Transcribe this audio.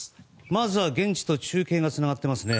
まずは現地と中継がつながっています。